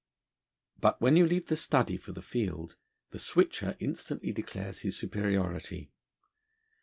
But when you leave the study for the field, the Switcher instantly declares his superiority.